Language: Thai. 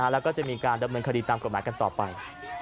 แล้วก็จะมีการดำเนินคดีตามกฎหมายกันต่อไป